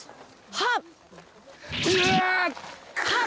はっ！